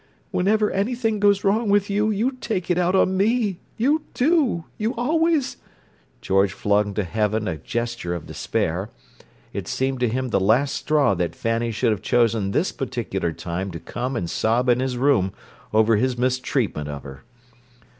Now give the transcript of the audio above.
Whenever anything goes wrong with you, you take it out on me! You do! You always—" George flung to heaven a gesture of despair; it seemed to him the last straw that Fanny should have chosen this particular time to come and sob in his room over his mistreatment of her!